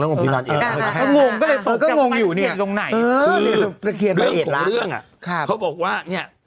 ดูอ็ะพูดกับประเภทมาละเรื่องอ่ะครับเขาบอกว่าเนี่ย